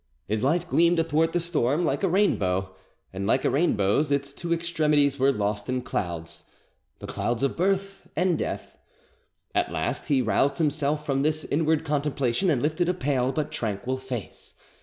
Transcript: His life gleamed athwart the storm like a rainbow, and like a rainbow's, its two extremities were lost in clouds—the clouds of birth and death. At last he roused himself from this inward contemplation, and lifted a pale but tranquil face.